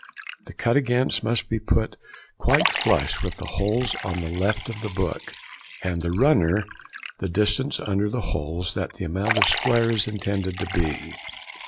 The cut against must be put quite flush with the holes on the left of the book, and the runner the distance under the holes that the amount of square is intended to be.